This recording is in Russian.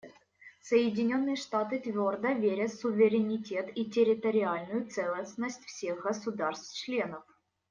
Соединенные Штаты твердо верят в суверенитет и территориальную целостность всех государств-членов.